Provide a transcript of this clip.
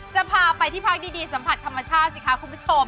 จะพาไปที่พักดีสัมผัสธรรมชาติสิคะคุณผู้ชม